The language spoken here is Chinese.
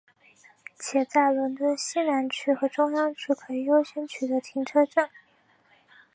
且在伦敦西南区和中央区可以优先取得停车证。